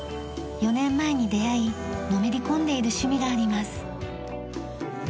４年前に出会いのめり込んでいる趣味があります。